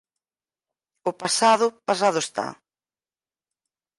O pasado, pasado está.